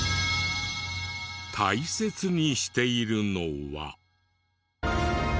大切にしているのは。